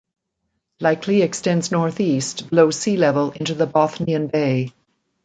Likely extends northeast below sea level into the Bothnian Bay.